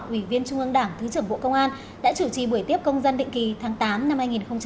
ủy viên trung ương đảng thứ trưởng bộ công an đã chủ trì buổi tiếp công dân định kỳ tháng tám năm hai nghìn hai mươi